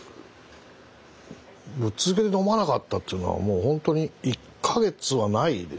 ぶっ続けで飲まなかったっていうのはもう本当に１か月はないでしょうね。